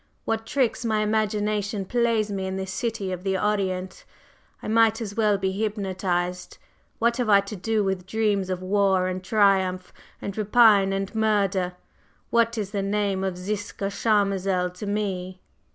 What tricks my imagination plays me in this city of the Orient I might as well be hypnotized! What have I to do with dreams of war and triumph and rapine and murder, and what is the name of Ziska Charmazel to me?"